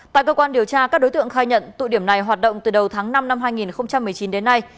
tại cơ quan điều tra các đối tượng khai nhận tụ điểm này hoạt động từ đầu tháng năm năm hai nghìn một mươi chín đến nay